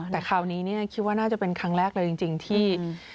แต่คราวนี้คิดว่าน่าจะเป็นครั้งแรกเลยจริงที่